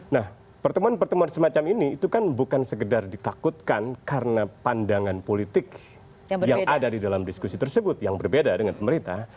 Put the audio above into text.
nah pertemuan pertemuan semacam ini itu kan bukan sekedar ditakutkan karena pandangan politik yang ada di dalam diskusi tersebut yang berbeda dengan pemerintah